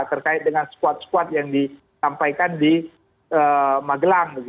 terkait dengan sebuah sebuah yang disampaikan di magelang